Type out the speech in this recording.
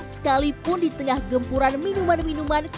sekalipun di tengah gempuran minuman minuman